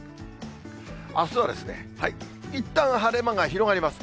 あすはいったん晴れ間が広がります。